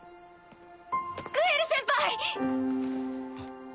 グエル先輩！